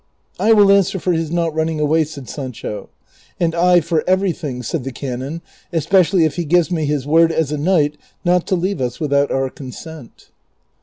" I will answer for his not running away," said Sancho. " And I for everything," said the canon, " especially if he gives me his word as a knight not to leave us without our consent."